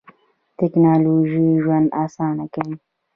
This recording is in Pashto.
تکنالوژي ژوند آسانه کوي.